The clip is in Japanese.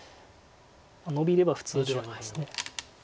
ノビれば普通ではあります。